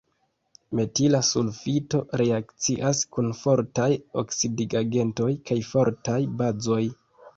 Metila sulfito reakcias kun fortaj oksidigagentoj kaj fortaj bazoj.